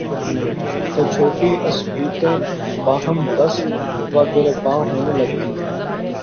تو چھوٹی عصبیتیں باہم دست وگریباں ہونے لگتی ہیں۔